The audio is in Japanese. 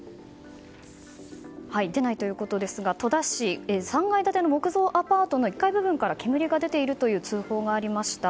戸田市、３階建ての木造アパートの１階部分から煙が出ているという通報がありました。